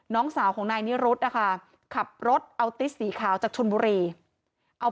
น้องสาวของนายนิรุธนะคะขับรถเอาติสสีขาวจากชนบุรีเอา